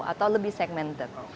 atau lebih segmented